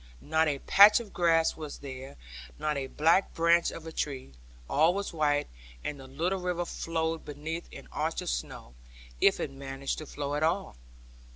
Not a patch of grass was there, not a black branch of a tree; all was white; and the little river flowed beneath an arch of snow; if it managed to flow at all.